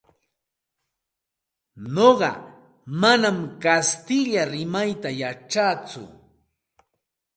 Nuqa manam kastilla rimayta yachatsu.